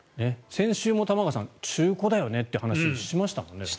先週も中古だよねって話をしましたもんね。